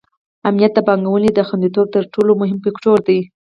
امنیت د پانګونې د خونديتوب تر ټولو مهم فکتور دی.